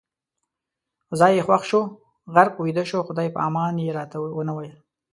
ځای یې خوښ شو، غرق ویده شو، خدای پامان یې راته نه ویل